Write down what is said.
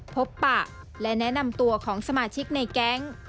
ปะและแนะนำตัวของสมาชิกในแก๊ง